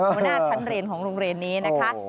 หัวหน้าชั้นเรียนของโรงเรียนนี้นะคะ